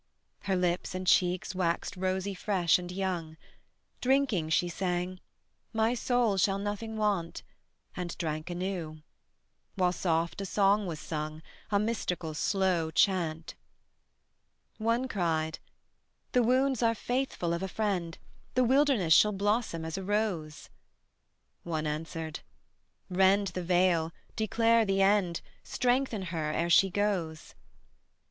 Her lips and cheeks waxed rosy fresh and young; Drinking she sang: "My soul shall nothing want"; And drank anew: while soft a song was sung, A mystical slow chant. One cried: "The wounds are faithful of a friend: The wilderness shall blossom as a rose." One answered: "Rend the veil, declare the end, Strengthen her ere she goes."